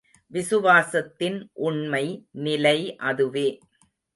விசுவாசத்தின் உண்மை நிலை அதுவே.